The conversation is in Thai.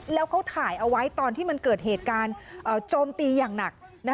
แล้วเขาถ่ายเอาไว้ตอนที่มันเกิดเหตุการณ์โจมตีอย่างหนัก